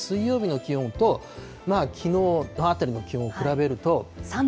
特に火曜日、水曜日の気温と、きのうあたりの気温を比べると。